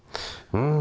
うん。